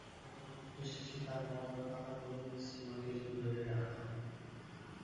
ময়নাতদন্ত শেষে তাঁর মরদেহ ঢাকা মেডিকেল কলেজ মর্গের হিমঘরে রাখা হয়।